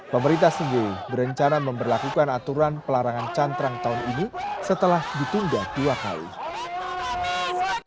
pemerintah sendiri berencana memperlakukan aturan pelarangan cantrang tahun ini setelah ditunda dua kali